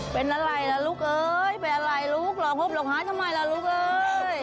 เป็นอะไรล่ะลูกเอ๊ยแล้วลองพบลองไห้ทำไมล่ะลูกเอ๊ย